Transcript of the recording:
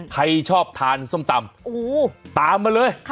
ใครชอบทานส้มตำตามมาเลย